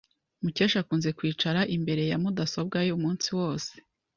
Mukesha akunze kwicara imbere ya mudasobwa ye umunsi wose.